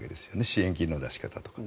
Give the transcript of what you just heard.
支援金の出し方とか。